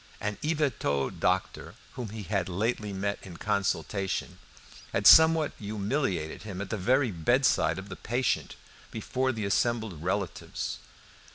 An Yvetot doctor whom he had lately met in consultation had somewhat humiliated him at the very bedside of the patient, before the assembled relatives.